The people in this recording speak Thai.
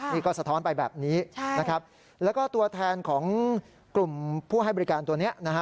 นี่ก็สะท้อนไปแบบนี้นะครับแล้วก็ตัวแทนของกลุ่มผู้ให้บริการตัวนี้นะฮะ